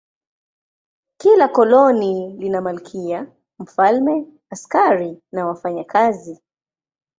Kila koloni lina malkia, mfalme, askari na wafanyakazi.